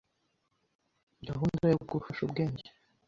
gabunda yo gufasha ubwenge